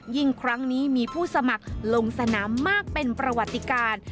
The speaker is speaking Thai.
ครั้งนี้มีผู้สมัครลงสนามมากเป็นประวัติการ